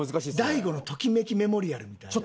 「大悟のときめきメモリアル」みたいな。